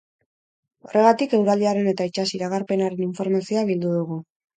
Horregatik, eguraldiaren eta itsas iragarpenaren informazioa bildu dugu.